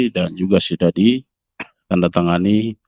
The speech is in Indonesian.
dan juga sudah ditandatangani